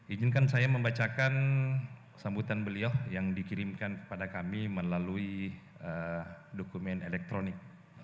izinkan saya membacakan sambutan beliau yang dikirimkan kepada kami melalui dokumen elektronik